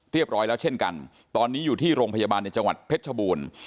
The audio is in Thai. ร้อยแล้วเช่นกันตอนนี้อยู่ที่โรงพยาบาลในจังหวัดเพชรชบูรณ์